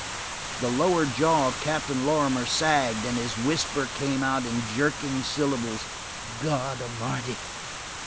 The lower jaw of Captain Lorrimer sagged, and his whisper came out in jerking syllables: "God Almighty!"